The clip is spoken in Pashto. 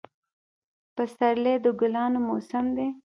پسرلی د ګلانو موسم دی